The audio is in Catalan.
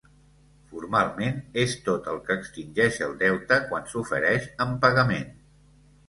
Formalment, és tot el que extingeix el deute quan s'ofereix en pagament.